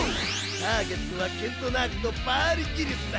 ターゲットはケントナークとパーリギリスだ。